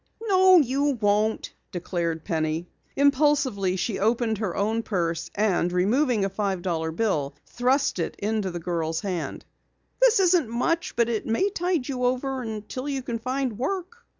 "No, you won't," declared Penny. Impulsively, she opened her own purse and, removing a five dollar bill, thrust it into the girl's hand. "This isn't much, but it may tide you over until you can find work."